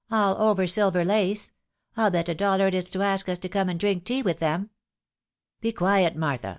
— all over silver lace ! I'U bet a dollar it is to ask us to come and drink tea with them." " Be quiet, Martha